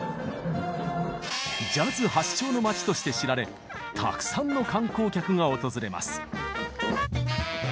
ジャズ発祥の街として知られたくさんの観光客が訪れます。